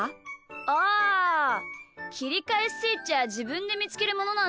あきりかえスイッチはじぶんでみつけるものなんすよ。